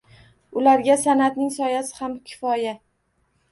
Ularga san’atning soyasi ham kifoya.